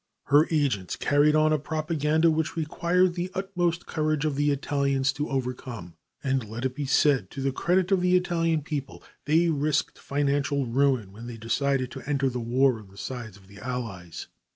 Her agents carried on a propaganda which required the utmost courage of the Italians to overcome, and let it be said to the credit of the Italian people, they risked financial ruin when they decided to enter the war on the side of the Allies.